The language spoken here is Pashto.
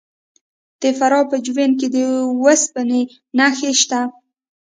د فراه په جوین کې د وسپنې نښې شته.